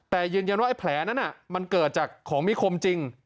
แต่ยืนยันว่าไอ้แผลนั้นมันเกิดจากของมีคมจริง